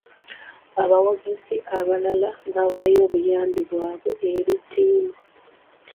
Abawagizi abalala bawaayo obuyambi bwabwe eri ttiimu.